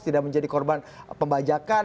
tidak menjadi korban pembajakan